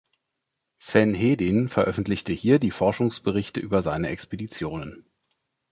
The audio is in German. Sven Hedin veröffentlichte hier die Forschungsberichte über seine Expeditionen.